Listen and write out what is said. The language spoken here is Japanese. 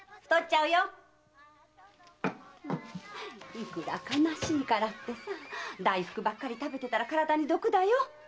いくら悲しいからって大福ばかり食べてたら体に毒だよ！